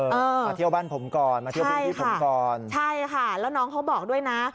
มาเที่ยวบ้านผมก่อนมาเที่ยวพื้นที่ผมก่อนใช่ค่ะแล้วน้องเขาบอกด้วยนะ